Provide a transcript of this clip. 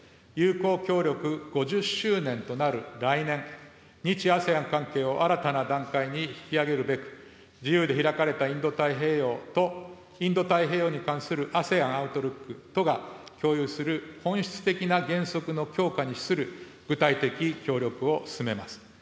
友好協力５０周年となる来年、日・ＡＳＥＡＮ関係を新たな段階に引き上げるべく、自由で開かれたインド太平洋とインド太平洋に関するＡＳＥＡＮアウトルックとが共有する本質的な原則の強化に資する具体的協力を進めます。